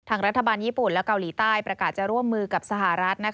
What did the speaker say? รัฐบาลญี่ปุ่นและเกาหลีใต้ประกาศจะร่วมมือกับสหรัฐ